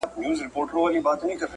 خبرې ډېري سر یې یو